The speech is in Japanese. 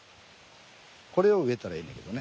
これを植えたらええねんけどね。